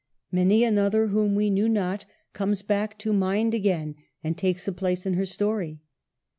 Many another, whom we knew not, comes back to mind again, and takes a place in her story.